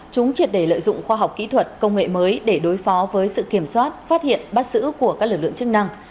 chúng triệt đề lợi dụng khoa học kỹ thuật công nghệ mới để đối phó với sự kiểm soát phát hiện bắt giữ của các lực lượng chức năng